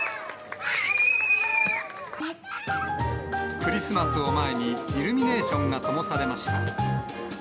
クリスマスを前に、イルミネーションがともされました。